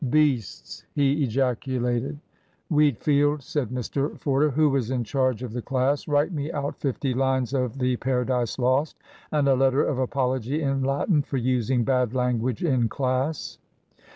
"Beasts!" he ejaculated. "Wheatfield," said Mr Forder, who was in charge of the class, "write me out fifty lines of the Paradise Lost and a letter of apology in Latin for using bad language in class."